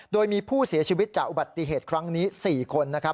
โดยมีผู้เสียชีวิตจากอุบัติเหตุครั้งนี้๔คนนะครับ